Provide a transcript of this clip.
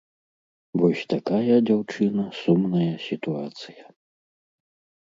Вось такая, дзяўчына, сумная сітуацыя.